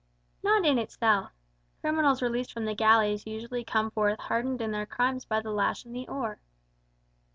"Not in itself. Criminals released from the galleys usually come forth hardened in their crimes by the lash and the oar."